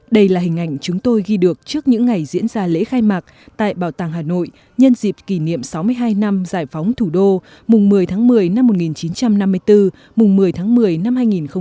đây là hình ảnh chúng tôi ghi được trước những ngày diễn ra lễ khai mạc tại bảo tàng hà nội nhân dịp kỷ niệm sáu mươi hai năm giải phóng thủ đô mùng một mươi tháng một mươi năm một nghìn chín trăm năm mươi bốn mùng một mươi tháng một mươi năm hai nghìn hai mươi